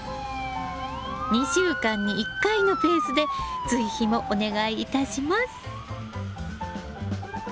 ２週間に１回のペースで追肥もお願いいたします。